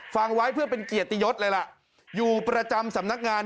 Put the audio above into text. ฟังไว้เพื่อเป็นเกียรติยศเลยล่ะอยู่ประจำสำนักงาน